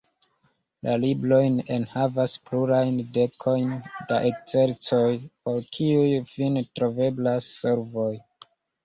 La librojn enhavas plurajn dekojn da ekzercoj, por kiuj fine troveblas solvoj.